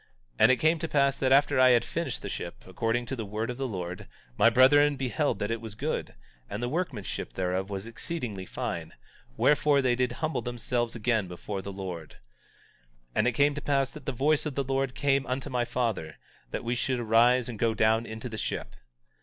18:4 And it came to pass that after I had finished the ship, according to the word of the Lord, my brethren beheld that it was good, and that the workmanship thereof was exceedingly fine; wherefore, they did humble themselves again before the Lord. 18:5 And it came to pass that the voice of the Lord came unto my father, that we should arise and go down into the ship.